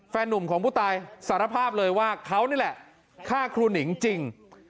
แฟนนุ่มของผู้ตายสารภาพเลยว่าเขานี่แหละฆ่าครูหนิงจริง